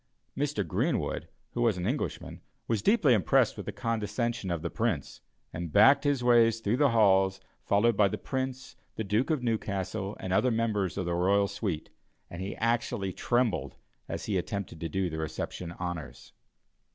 Mr. Greenwood, who was an Englishman, was deeply impressed with the condescension of the Prince, and backed his way through the halls, followed by the Prince, the Duke of Newcastle, and other members of the royal suite, and he actually trembled as he attempted to do the reception honors.